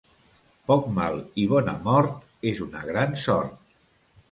Poc mal i bona mort és una gran sort.